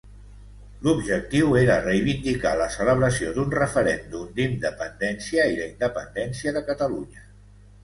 L'objectiu era reivindicar la celebració d'un referèndum d'independència i la independència de Catalunya.